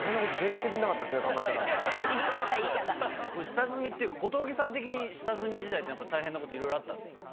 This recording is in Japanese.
下積みっていうか小峠さん的に下積み時代って大変なこといろいろあったんですか？